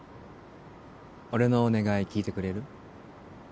俺のお願い聞いてくれる？